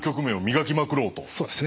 そうですね。